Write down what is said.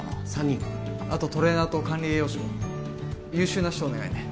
３人あとトレーナーと管理栄養士も優秀な人お願いね